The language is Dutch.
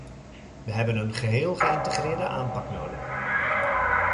We hebben een geheel geïntegreerde aanpak nodig.